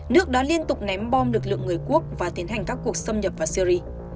nước đã liên tục ném bom lực lượng người quốc và tiến hành các cuộc xâm nhập vào syri